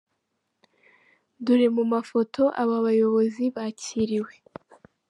Dore mu mafoto aba bayobozi bakiriwe .